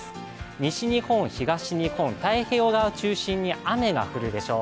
西日本、東日本、太平洋側を中心に雨が降るでしょう。